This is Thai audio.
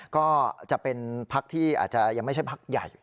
ก็จะเป็นพักที่อาจจะยังไม่ใช่พักใหญ่